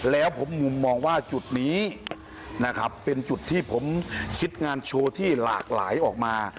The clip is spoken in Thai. แล้วผมมุมมองว่าจุดนี้นะครับเป็นจุดที่ผมคิดงานโชว์ที่หลากหลายออกมา